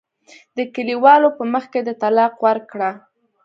د کلیوالو په مخ کې دې طلاق ورکړه.